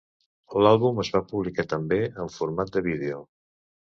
L'àlbum es va publicar també en format de vídeo.